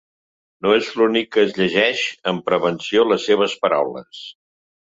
No és l’únic que es llegeix amb prevenció les seves paraules.